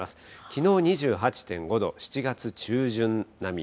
きのう２８．５度、７月中旬並み。